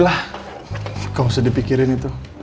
kalau saya tidak bisa pikirkan itu